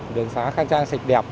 đường sáng khang trang sạch đẹp